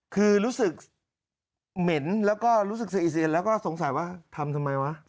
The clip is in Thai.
คือรู้สึกเหม็นแล้วก็รู้สึกซีอิเซียนแล้วก็สงสัยว่าทำทำไมวะ